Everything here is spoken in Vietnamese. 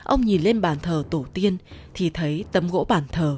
ông nhìn lên bàn thờ tổ tiên thì thấy tấm gỗ bàn thờ